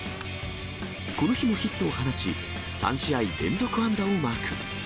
この日もヒットを放ち、３試合連続安打をマーク。